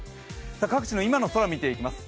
各地の今の空、見ていきます。